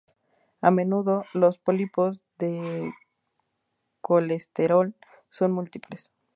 A menudo, los pólipos de colesterol son múltiples.